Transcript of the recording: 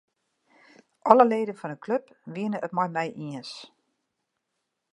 Alle leden fan 'e klup wiene it mei my iens.